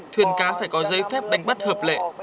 thuyền cá phải có giấy phép đánh bắt hợp lệ